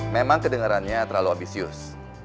memang kedengerannya terlalu ambisius